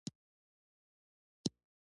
افغانستان کې آمو سیند د خلکو د خوښې وړ ځای دی.